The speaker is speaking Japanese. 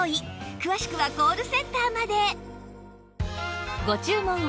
詳しくはコールセンターまで